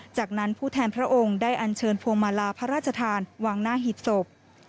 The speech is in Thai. จากนั้นผู้แทนพระองค์ได้อันเชิญพวงมาลาพระราชทานวางหน้าหีบศพ